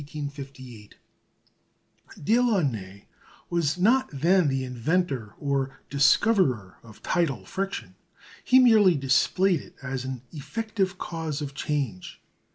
Delaunay was not then the inventor or discoverer of tidal friction; he merely displayed it as an effective cause of change.